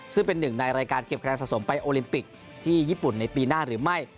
ซึ่งเป็นหนึ่งในรายการเก็บคะแนนสะสมไปโอลิมปิกที่ญี่ปุ่นในปีหน้าหรือไม่